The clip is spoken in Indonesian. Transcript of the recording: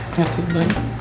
nggak ngerti dibilangin